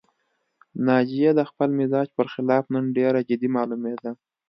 ناجیه د خپل مزاج پر خلاف نن ډېره جدي معلومېده